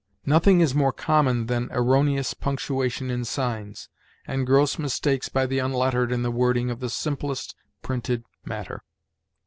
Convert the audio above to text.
Nothing is more common than erroneous punctuation in signs, and gross mistakes by the unlettered in the wording of the simplest printed matter.